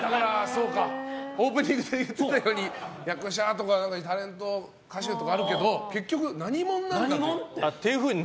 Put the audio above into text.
オープニングで言ってたように役者やタレント、歌手とかあるけど結局何者なんだろうって。